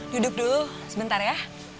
duduk dulu sebentar ya